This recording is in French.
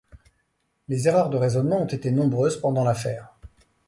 Les erreurs de raisonnement ont été nombreuses pendant l'affaire.